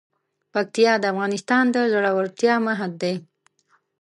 پکتیا د افغانستان د زړورتیا مهد دی.